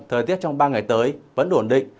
thời tiết trong ba ngày tới vẫn đổn định